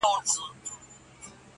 • راته يادېږې شپه كړم څنگه تېره.